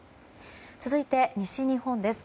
続いて、西日本です。